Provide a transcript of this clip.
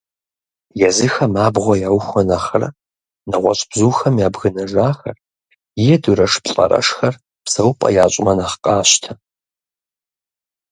Езыхэм абгъуэ яухуэ нэхърэ, нэгъуэщӀ бзухэм ябгынэжахэр е дурэшплӀэрэшхэр псэупӀэ ящӀмэ нэхъ къащтэ.